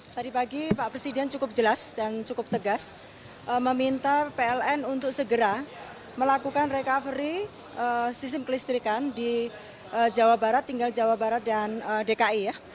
tadi pagi pak presiden cukup jelas dan cukup tegas meminta pln untuk segera melakukan recovery sistem kelistrikan di jawa barat tinggal jawa barat dan dki ya